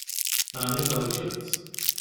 Ɛni thelkeḍ?